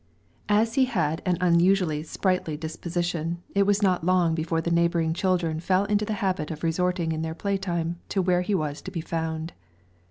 As he had an unusually sprightly disposition, it was not long before the neighboring children fell into the habit of resorting in their playtime to where he was to be found.